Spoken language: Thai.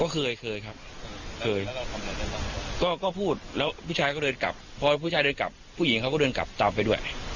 คือเราก็คิดว่ามันเป็นเรื่องของหนุ่มเราก็เลยไม่อยากไปยุ่งเลยหรือเปล่าครับ